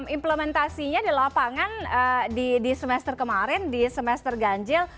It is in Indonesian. implementasinya di lapangan di semester kemarin di semester ganjil